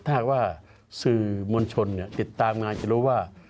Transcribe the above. ถ้าหากว่าสื่อมวลชนติดตามงานจะรู้ว่า